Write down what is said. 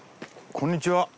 こんにちは。